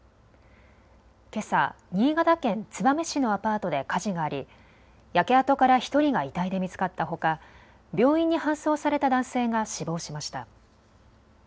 けさ、新潟県燕市のアパートで火事があり焼け跡から１人が遺体で見つかったほか病院に搬送された男性が死亡しました。